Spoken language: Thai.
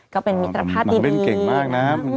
มันเป็นเก่งมากนะ